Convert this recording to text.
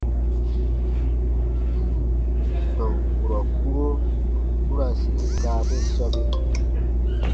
N ǹ tɔn kurɔ kpuro u ra sire kaa te sɔbe.